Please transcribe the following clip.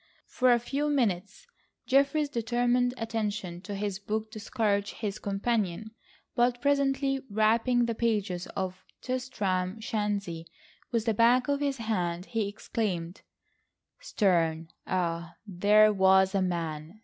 For a few minutes Geoffrey's determined attention to his book discouraged his companion, but presently rapping the pages of Tristram Shandy with the back of his hand, he exclaimed: "Sterne! Ah, there was a man!